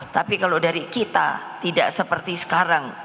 tapi kalau dari kita tidak seperti sekarang